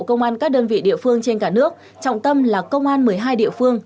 công an các đơn vị địa phương trên cả nước trọng tâm là công an một mươi hai địa phương